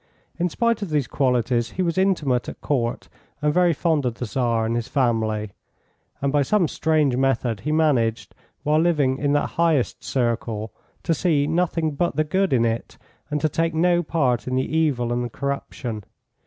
In spite of these qualities, he was intimate at Court, and very fond of the Tsar and his family, and by some strange method he managed, while living in that highest circle, to see nothing but the good in it and to take no part in the evil and corruption.